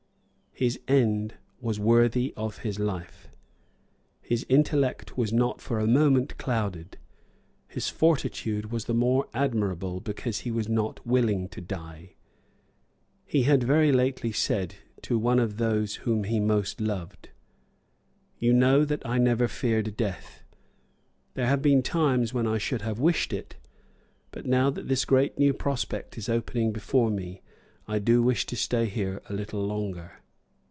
His end was worthy of his life. His intellect was not for a moment clouded. His fortitude was the more admirable because he was not willing to die. He had very lately said to one of those whom he most loved: "You know that I never feared death; there have been times when I should have wished it; but, now that this great new prospect is opening before me, I do wish to stay here a little longer."